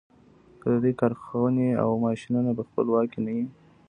که د دوی کارخانې او ماشینونه په خپل واک کې نه دي.